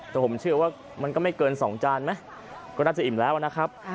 แต่ผมเชื่อว่ามันก็ไม่เกิน๒จานไหมก็น่าจะอิ่มแล้วนะครับ